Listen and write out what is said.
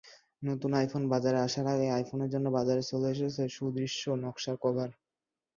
নতুন আইফোন বাজারে আসার আগেই আইফোনের জন্য বাজারে চলে এসেছে সুদৃশ্য নকশার কভার।